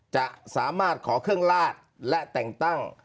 จะสามารถขอเครื่องลาดและแต่งตั้ง